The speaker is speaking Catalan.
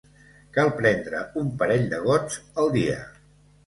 Cal prendre un parell de gots al dia.